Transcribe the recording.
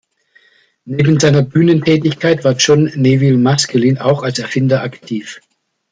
Neben seiner Bühnentätigkeit war John Nevil Maskelyne auch als Erfinder aktiv.